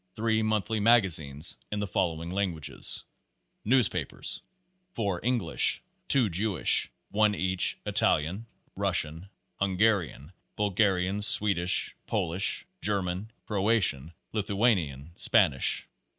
Three monthly Magazines in the follow ing languages, Newspapers: 4 English, 2 Jewish, one each, Italian, Russian, Hungarian, Bulgarian, Swedish, Polish, German, Croatian, Lithuanian, Spanish.